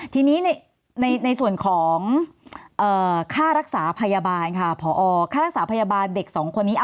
ทีนี้ในส่วนของค่ารักษาพยาบาลค่ะพอค่ารักษาพยาบาลเด็กสองคนนี้